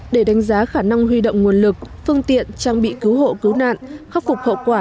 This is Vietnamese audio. để đánh giá khả năng huy động nguồn lực phương tiện trang bị cứu hộ cứu nạn khắc phục hậu quả